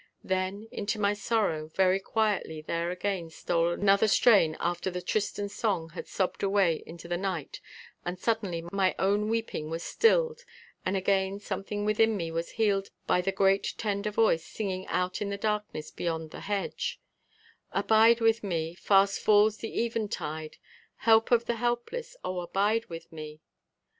Then into my sorrow very quietly there again stole another strain after the Tristan song had sobbed away into the night and suddenly my own weeping was stilled and again something within me was healed by the great tender voice singing out in the darkness beyond the hedge: "Abide with me; fast falls the eventide ............ Help of the helpless, O abide with me!"